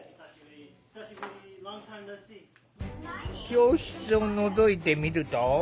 教室をのぞいてみると。